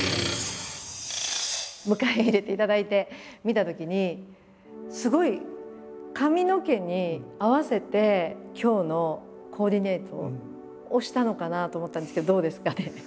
迎え入れていただいて見たときにすごい髪の毛に合わせて今日のコーディネートをしたのかなと思ったんですけどどうですかね？